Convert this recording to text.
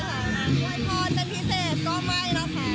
มวยพรเป็นพิเศษก็ไม่นะคะ